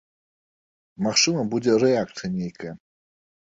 Магчыма, будзе рэакцыя нейкая.